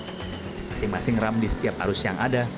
masing masing ram di setiap arus yang ada